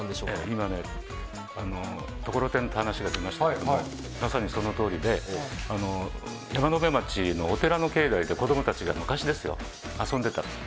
今、ところてんという話が出ましたがまさにそのとおりで山辺町のお寺の境内で子供たちが昔、遊んでたんです。